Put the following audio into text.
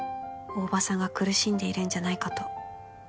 「大庭さんが苦しんでいるんじゃないかと」